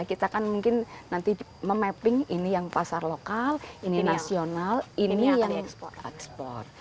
kita kan mungkin nanti memapping ini yang pasar lokal ini nasional ini akan ekspor